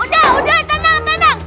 udah udah tenang tenang